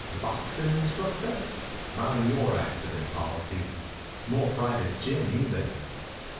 Boxin' instructor? Not on your accident policy. Nor private gym., either.